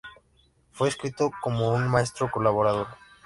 Fue descrito como "un maestro colaborador".